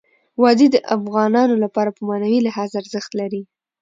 وادي د افغانانو لپاره په معنوي لحاظ ارزښت لري.